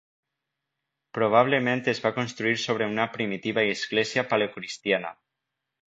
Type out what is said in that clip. Probablement es va construir sobre una primitiva església paleocristiana.